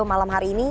malam hari ini